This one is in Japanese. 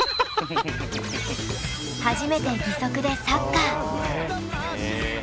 初めて義足でサッカー。